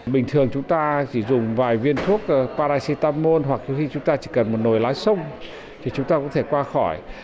bình thường chúng ta chỉ dùng vài viên thuốc paracetamol hoặc khi chúng ta chỉ cần một nồi lái sông thì chúng ta có thể qua khỏi